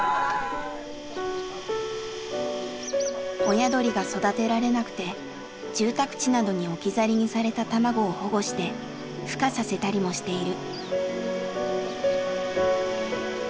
親鳥が育てられなくて住宅地などに置き去りにされた卵を保護してふ化させたりもしている。